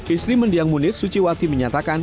istri mendiang munir suciwati menyatakan